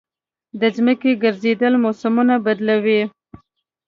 د ځمکې ګرځېدل موسمونه بدلوي.